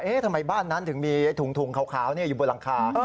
ทำไมบ้านนั้นถึงมีถุงขาวอยู่บนหลังคา